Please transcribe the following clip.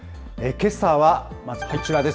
けさはまずこちらです。